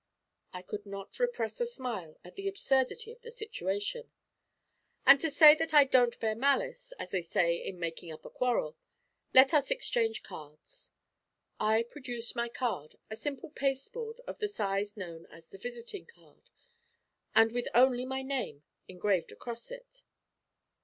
I could not repress a smile at the absurdity of the situation. 'And to say that I don't bear malice, as they say in making up a quarrel, let us exchange cards.' I produced my card, a simple pasteboard of the size known as the visiting card, and with only my name engraved across it.